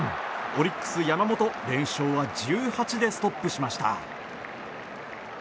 オリックス、山本連勝は１８でストップしました。